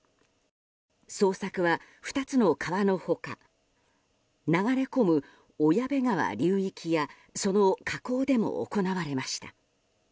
捜索は２つの川の他流れ込む小矢部川流域やその河口でも行われました。